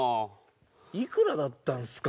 いくらだったんですか？